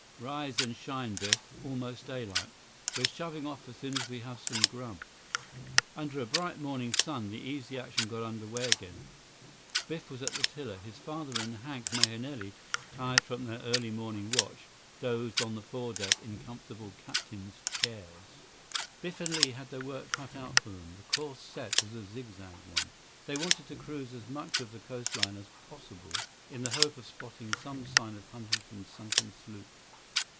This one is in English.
"Rise and shine, Biff. Almost daylight. We're shoving off as soon as we have some grub." Under a bright morning sun, the Easy Action got under way again. Biff was at the tiller. His father and Hank Mahenili, tired from their early morning watch, dozed on the foredeck in comfortable captain's chairs. 101 Biff and Li had their work cut out for them. The course set was a zigzag one. They wanted to cruise as much of the coastline as possible in the hope of spotting some sign of Huntington's sunken sloop.